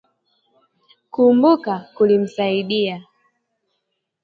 Kukumbuka kulimsaidia